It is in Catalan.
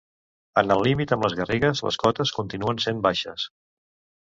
En el límit amb les Garrigues les cotes continuen sent baixes.